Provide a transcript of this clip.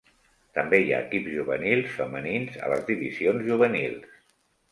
També hi ha equips juvenils femenins a les divisions juvenils.